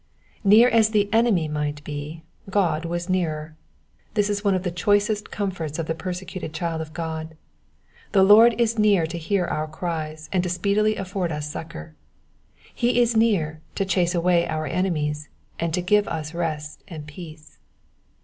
Near as the enemy might be, €k)d was nearer : this is one of the choicest comforts of the persecuted child of God. The Lord is near to hear our cries, and to speedily afford us succour. He is near to chase away our enemies, and to give us rest and peace.